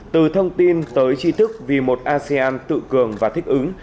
từ thông tin tới tri thức vì một asean tự cường và thích ứng